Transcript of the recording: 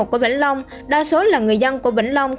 của vĩnh long đa số là người dân của vĩnh long